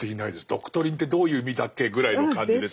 「ドクトリン」ってどういう意味だっけぐらいの感じです。